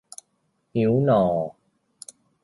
หิวน่อ